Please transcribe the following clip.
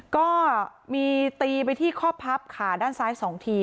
ก็มีตีไปที่ข้อพับขาด้านซ้าย๒ที